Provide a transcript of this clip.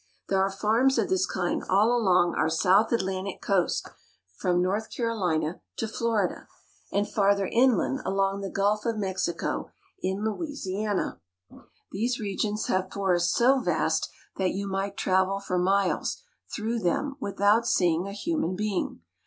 There are farms of this kind all along our South Atlantic coast from North Carolina to Florida, and farther inland along the Gulf of Mexico to Louisiana. These re gions have forests so vast that you might travel for miles through them without seeing a human being.